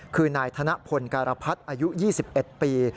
คือนายธนพลการพัฒน์อายุ๒๑ปี